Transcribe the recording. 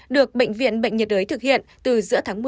được bệnh viện bệnh nhiệt đới thực hiện từ giữa tháng một